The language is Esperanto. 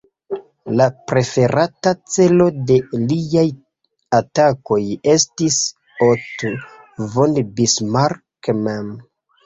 La preferata celo de liaj atakoj estis Otto von Bismarck mem.